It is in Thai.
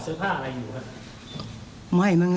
สิ่งหนักของมันใส่เสื้อผ้า